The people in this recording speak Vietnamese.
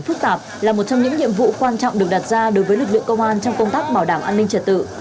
phức tạp là một trong những nhiệm vụ quan trọng được đặt ra đối với lực lượng công an trong công tác bảo đảm an ninh trật tự